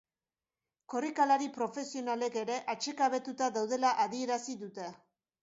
Korrikalari profesionalek ere atsekabetuta daudela adierazi dute.